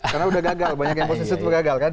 karena udah gagal banyak yang posesif itu gagal kan